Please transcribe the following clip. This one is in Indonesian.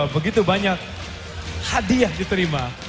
begitu banyak hadiah diterima